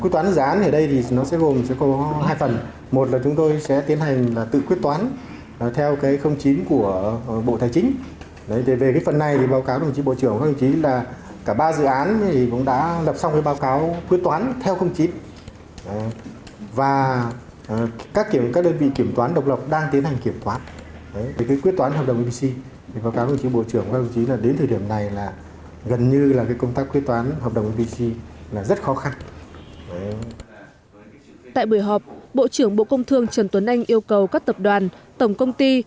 tại buổi họp bộ trưởng bộ công thương trần tuấn anh yêu cầu các tập đoàn tổng công ty